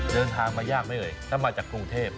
เดินทางมายากได้เลยถ้ามาจากกรุงเทพ